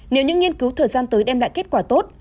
nếu những nghiên cứu thời gian tới đem lại kết quả tốt